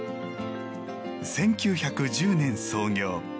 １９１０年創業。